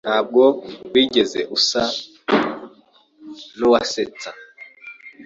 Ntabwo wigeze usa nkuwasetsa.